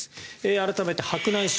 改めて白内障。